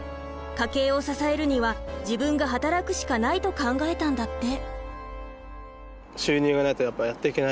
家計を支えるには自分が働くしかないと考えたんだって。